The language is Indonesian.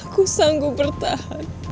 aku sanggup bertahan